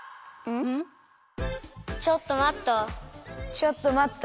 ちょっと待っと。